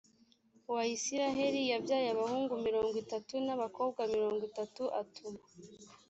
wa isirayeli yabyaye abahungu mirongo itatu n abakobwa mirongo itatu atuma